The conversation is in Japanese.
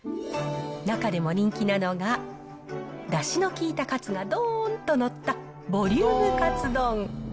中でも人気なのが、だしの効いたカツがどーんと載った、ボリュームカツ丼。